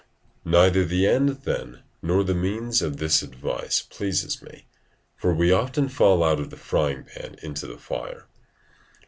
Neither the end, then, nor the means of this advice pleases me, for we often fall out of the frying pan into the fire.